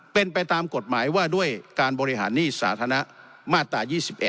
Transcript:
เป็นไปตามกฎหมายว่าด้วยการบริหารหนี้สาธารณะมาตรา๒๑